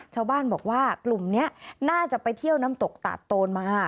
ชาวบ้านบอกว่ากลุ่มนี้น่าจะไปเที่ยวน้ำตกตาดโตนมา